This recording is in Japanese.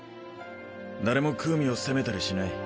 誰もクウミを責めたりしない。